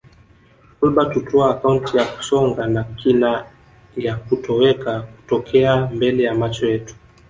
Kolbert hutoa akaunti ya kusonga na kina ya kutoweka kutokea mbele ya macho yetu